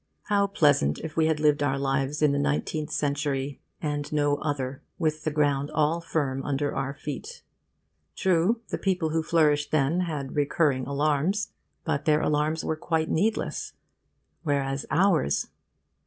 How pleasant if we had lived our lives in the nineteenth century and no other, with the ground all firm under our feet! True, the people who flourished then had recurring alarms. But their alarms were quite needless; whereas ours